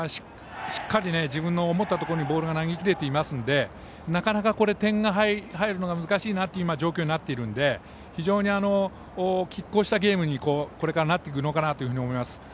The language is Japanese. しっかり自分の思ったところにボールが投げ切れてますのでなかなか点が入るのが難しい状況なので非常にきっ抗したゲームになっていくのかなと思います。